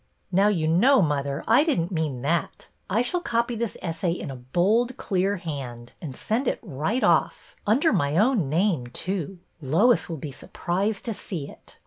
Now, you know, mother, I did n't mean that. I shall copy this essay in a bold, clear hand, and send it right off, — under my own name, too. Lois will be surprised to see it.